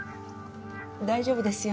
大丈夫ですよ。